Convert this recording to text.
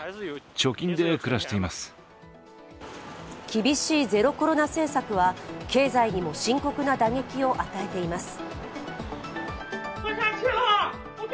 厳しいゼロコロナ政策は、経済にも深刻な打撃を与えています。